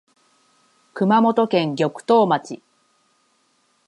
熊本県玉東町